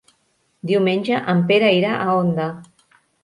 Diumenge en Pere irà a Onda.